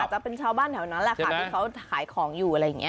จะเป็นชาวบ้านแถวนั้นแหละค่ะที่เขาขายของอยู่อะไรอย่างนี้